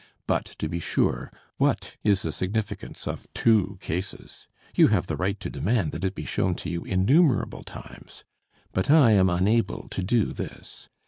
But, to be sure, what is the significance of two cases! You have the right to demand that it be shown to you innumerable times. But I am unable to do this.